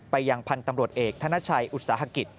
ยังพันธ์ตำรวจเอกธนชัยอุตสาหกิจ